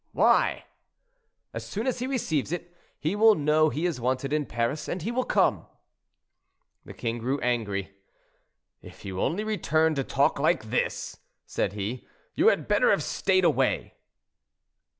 "Why?" "As soon as he receives it he will know he is wanted at Paris, and he will come." The king grew angry. "If you only returned to talk like this," said he, "you had better have stayed away."